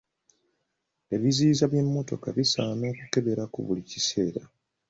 Ebiziyiza by'emmotoka bisaana okukeberako buli kiseera.